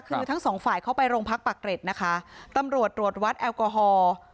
คือทั้งสองฝ่ายเข้าไปโรงพักปากเกร็ดนะคะตำรวจตรวจวัดแอลกอฮอล์